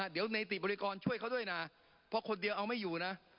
เดี๋ยวในติบริกรช่วยเขาด้วยนะเพราะคนเดียวเอาไม่อยู่นะ